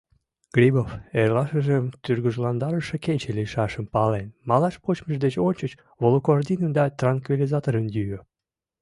Грибов, эрлашыжым тургыжландарыше кече лийшашым пален, малаш вочмыж деч ончыч валокординым да транквилизаторым йӱӧ.